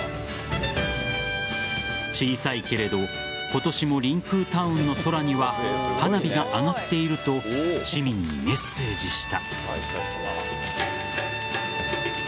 小さいけれど今年もりんくうタウンの空には花火が上がっていると市民にメッセージした。